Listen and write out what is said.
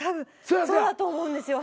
そうだと思うんですよ。